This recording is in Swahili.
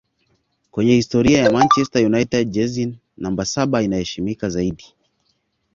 Kwenye historia ya manchester united jezi namba saba inaheshimika zaidi